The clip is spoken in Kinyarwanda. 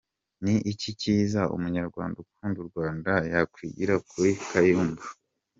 Ni iki cyiza Umunyarwanda ukunda u Rwanda yakwigira kuri Kayumba?.